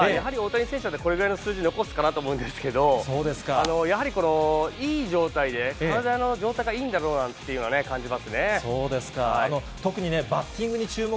進化というよりは、やはり大谷選手ならこれぐらいの数字残すかなと思うんですけど、やはりこの、いい状態で、体の状態がいいんだろうなというのは感じますね。